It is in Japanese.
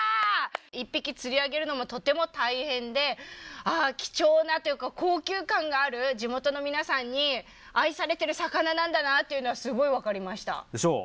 １匹釣り上げるのもとても大変で貴重なというか高級感がある地元の皆さんに愛されてる魚なんだなっていうのはすごい分かりました。でしょう。